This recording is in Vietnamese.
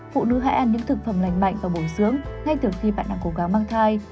phụ nữ hãy ăn những thực phẩm lành mạnh và bổ dưỡng ngay từ khi bạn đang cố gắng mang thai